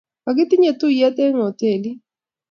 kikitinye tuyie eng' hotelit